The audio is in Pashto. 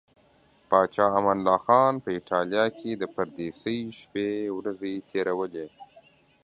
پاچا امان الله خان په ایټالیا کې د پردیسۍ شپې ورځې تیرولې.